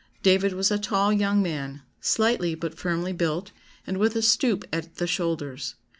David was a tall young man, slightly but firmly built, and with a stoop at the shoulders.